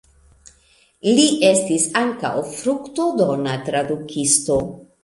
Li estis ankaŭ fruktodona tradukisto.